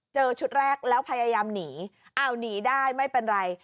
ชุดแรกแล้วพยายามหนีอ้าวหนีได้ไม่เป็นไร